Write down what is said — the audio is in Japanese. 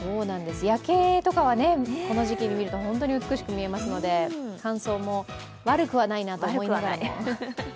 夜景とかはね、この時期に見ると本当に美しく見えますので乾燥も、悪くはないなと思います。